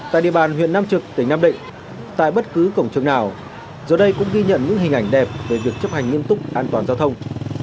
tại địa bàn huyện nam trực tỉnh nam định tại bất cứ cổng trường nào giờ đây cũng ghi nhận những hình ảnh đẹp về việc chấp hành nghiêm túc an toàn giao thông